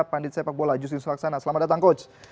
pandit sepak bola jusin suhaksana selamat datang coach